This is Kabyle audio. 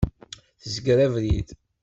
Tezger abrid.